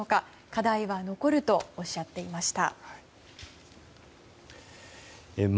課題は残るとおっしゃっていました。